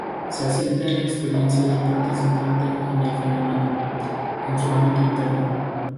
Se asienta en la experiencia del participante en el fenómeno, en su ámbito interno.